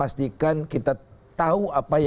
pastikan kita tahu apa yang kita